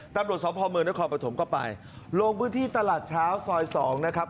ตำรวจสมภาพเมืองนครปฐมก็ไปลงพื้นที่ตลาดเช้าซอย๒นะครับ